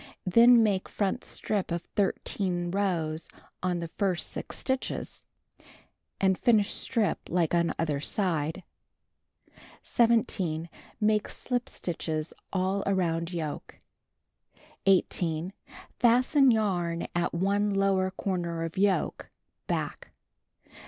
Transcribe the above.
Then make front strip of 13 rows on the first 6 stitches, and finish strip like on other side. 17. Make slip stitches all around yoke. 18. Fasten yarn at one lower corner of yoke, back.